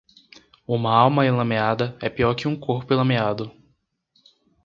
Uma alma enlameada é pior que um corpo enlameado.